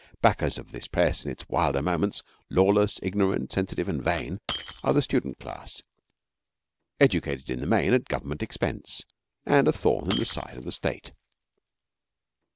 Backers of this press in its wilder moments, lawless, ignorant, sensitive and vain, are the student class, educated in the main at Government expense, and a thorn in the side of the State.